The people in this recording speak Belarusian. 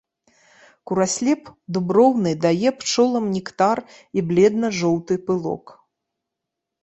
Кураслеп дуброўны дае пчолам нектар і бледна-жоўты пылок.